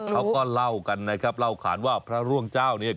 เขาก็เล่ากันนะครับเล่าขานว่าพระร่วงเจ้าเนี่ย